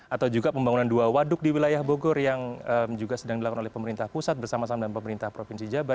atau juga pembangunan dua waduk di wilayah bogor yang juga sedang dilakukan oleh pemerintah pusat bersama sama dengan pemerintah provinsi jabar